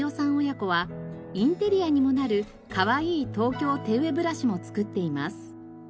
親子はインテリアにもなるかわいい東京手植ブラシも作っています。